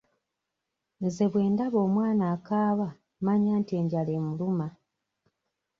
Nze bwe ndaba omwana akaaba mmanya nti enjala emuluma.